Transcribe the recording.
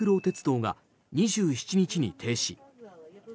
鉄道が２７日に停止。